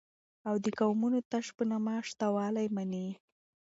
او دقومونو تش په نامه شته والى مني